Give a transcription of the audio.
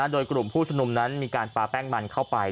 โดยกลุ่มผู้ชมนุมนั้นมีการปลาแป้งมันเข้าไป